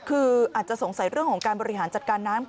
คืออาจจะสงสัยเรื่องของการบริหารจัดการน้ำ